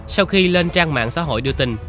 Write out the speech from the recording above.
sau khi lên trang mạng xã hội đưa tin